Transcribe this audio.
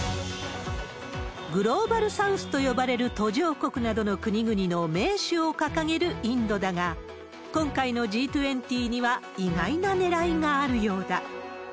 グローバルサウスと呼ばれる途上国などの国々の盟主を掲げるインドだが、今回のＧ２０には意外なねらいがあるようだ。